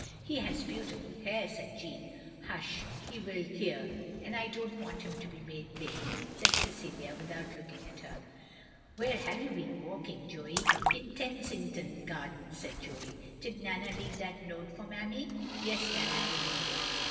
" He has beautiful hair, " said Jeanne. " Hush, he will hear, and I don't want him to be made vain," said Cecilia, without looking at her. "Where have you been walking, Joey?" " In Tensington Gardens, " said Joey. "Did Nana leave that note for Mammy?" "Yes, Nana did leave it."